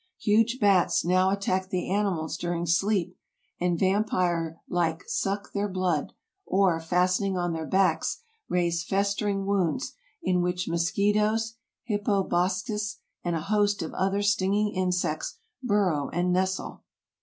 Huge bats now attack the animals during sleep, and vampire like suck their blood; or, fastening on their backs, raise festering wounds, in which mosquitoes, hippobosces, and a host of other sting ing insects burrow and nestle.